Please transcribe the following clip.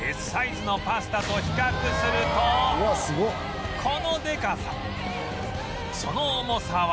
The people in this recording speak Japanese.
Ｓ サイズのパスタと比較するとこのでかさ！